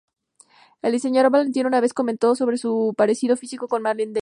El diseñador Valentino una vez comentó sobre su parecido físico con Marlene Dietrich.